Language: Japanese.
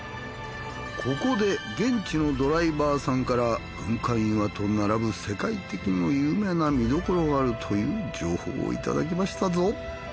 ここで現地のドライバーさんから軍艦岩と並ぶ世界的にも有名な見どころがあるという情報をいただきましたぞ。